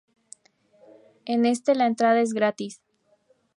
En este la entrada es gratis.